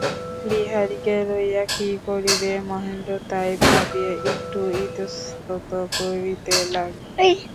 বিহারীকে লইয়া কী করিবে, মহেন্দ্র তাই ভাবিয়া একটু ইতস্তত করিতে লাগিল।